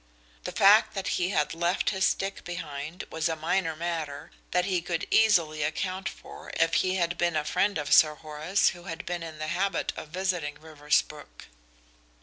The fact that he had left his stick behind was a minor matter that he could easily account for if he had been a friend of Sir Horace who had been in the habit of visiting Riversbrook.